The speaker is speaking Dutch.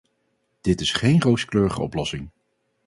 Dit is geen rooskleurige oplossing!